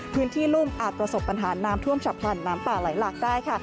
พื้นที่รุ่งอาจประสบปัญหาน้ำท่วมฉับผลั่นน้ำป่าไหลลักค์ได้